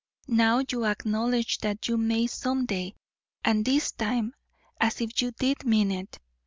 Now you acknowledge that you may some day, and this time as if you did mean it.